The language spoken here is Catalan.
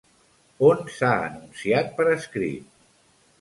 On s'ha anunciat per escrit?